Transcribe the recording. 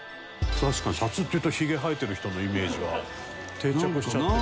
確かに札っていうとヒゲ生えてる人のイメージが定着しちゃってる。